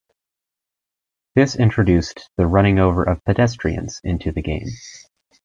This introduced the running-over of pedestrians into the game.